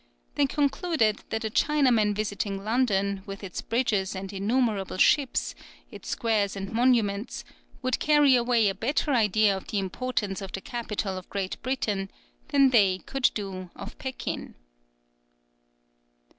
They concluded that a Chinaman visiting London, with its bridges and innumerable ships, its squares and monuments, would carry away a better idea of the importance of the capital of Great Britain than they could do of Pekin.